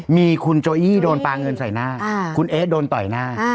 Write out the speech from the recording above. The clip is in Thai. มีคุณโจอี้โดนปลาเงินใส่หน้าคุณเอ๊ะโดนต่อยหน้า